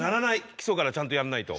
基礎からちゃんとやんないと。